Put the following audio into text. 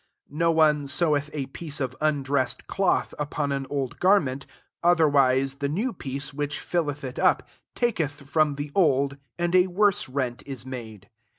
Ql No one seweth a piece of un* dressed cloth upon an old gar ment : otherwise, the new piece which filleth it up, taketh from the old, and a worse rent is made.